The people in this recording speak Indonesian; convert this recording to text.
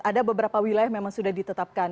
ada beberapa wilayah memang sudah ditetapkan